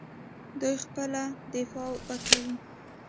دوی خپله دفاع به کوي.